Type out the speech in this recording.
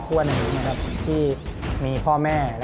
ช่วยฝังดินหรือกว่า